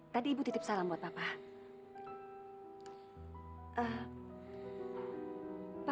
tadi ibu titip salam buat bapak